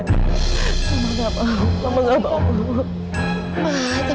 apa aida dan papanya tau soal ini